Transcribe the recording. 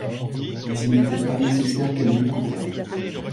Mais il n'était pas nécessaire qu'elle m'écoutat.